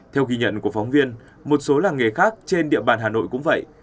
theo ghi nhận của phóng viên một số làng nghề khác trên địa bàn hà nội cũng vậy